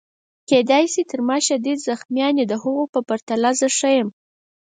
کیدای شي تر ما شدید زخمیان وي، د هغو په پرتله زه ښه یم.